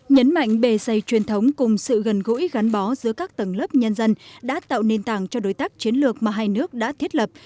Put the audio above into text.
nhấn mạnh bề xây truyền thống cùng sự gần gũi gắn bó giữa các tầng lớp nhân dân đã tạo nền tảng cho đối tác chiến lược mà hai nước đã thiết lập